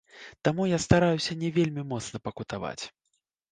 Таму я стараюся не вельмі моцна пакутаваць.